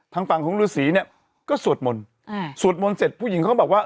ทางฝั่งของฤษีเนี่ยก็สวดมนต์อ่าสวดมนต์เสร็จผู้หญิงเขาก็บอกว่า